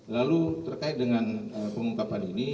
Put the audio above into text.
lalu terkait dengan pengungkapan ini